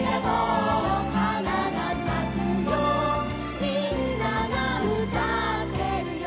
「みんながうたってるよ」